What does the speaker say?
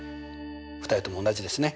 ２人とも同じですね。